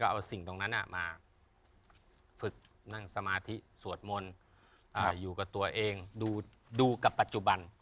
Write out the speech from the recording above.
เอาสิ่งตรงนั้นมาฝึกนั่งสมาธิสวดมนต์อยู่กับตัวเองดูกับปัจจุบัน